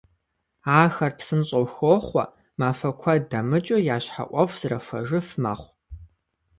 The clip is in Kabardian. Ахэр псынщIэу хохъуэ, махуэ куэд дэмыкIыу я щхьэ Iуэху зэрахуэжыф мэхъу.